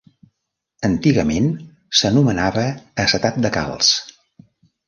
Antigament s'anomenava acetat de calç.